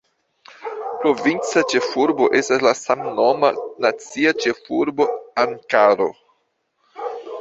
Provinca ĉefurbo estas la samnoma nacia ĉefurbo Ankaro.